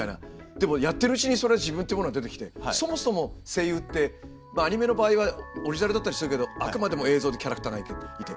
でもやってるうちにそれは自分っていうものが出てきてそもそも声優ってアニメの場合はオリジナルだったりするけどあくまでも映像でキャラクターがいて。